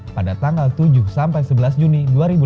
pada tanggal tujuh sebelas juni dua ribu delapan belas